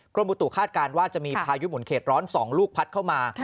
บุตุคาดการณ์ว่าจะมีพายุหมุนเขตร้อน๒ลูกพัดเข้ามา